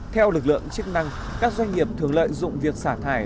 theo lực lượng chức năng các doanh nghiệp thường lợi dụng việc xả thải